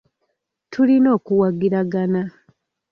Tulina okuwagiragana